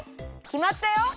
きまったよ。